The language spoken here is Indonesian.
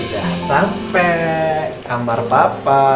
sudah sampai kamar papa